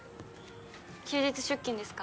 休日出勤ですか？